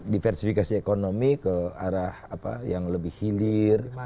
diversifikasi ekonomi ke arah yang lebih hilir